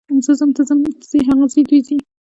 زه ځم، ته ځې، هغه ځي، دوی ځي.